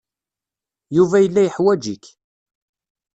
Yuba yella yeḥwaj-ik.